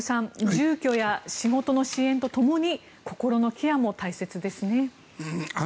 住居や仕事の支援とともに心のケアも大切ですね。